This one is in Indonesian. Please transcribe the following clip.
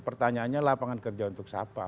pertanyaannya lapangan kerja untuk siapa